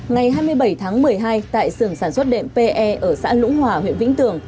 ngày hai mươi bảy tháng một mươi hai tại sưởng sản xuất đệm pe ở xã lũng hòa huyện vĩnh tường